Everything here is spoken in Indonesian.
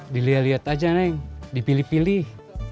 dilihat lihat aja neng dipilih pilih